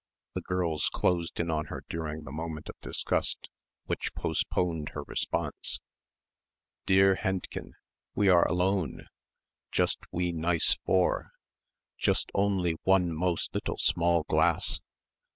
The girls closed in on her during the moment of disgust which postponed her response. "Dear Hendchen! We are alone! Just we nice four! Just only one most little small glass!